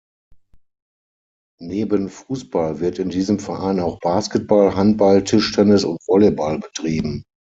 Neben Fußball wird in diesem Verein auch Basketball, Handball, Tischtennis und Volleyball betrieben.